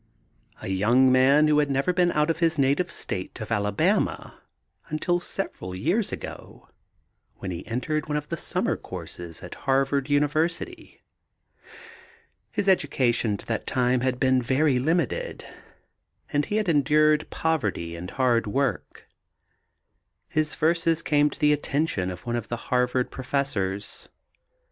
A young man who had never been out of his native state of Alabama until several years ago when he entered one of the summer courses at Harvard University. His education to that time had been very limited and he had endured poverty and hard work. His verses came to the attention of one of the Harvard professors.